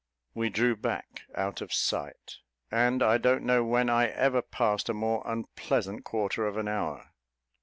We drew back, out of sight; and I don't know when I ever passed a more unpleasant quarter of an hour.